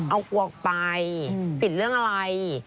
เอากวกไปปิดเรื่องอะไร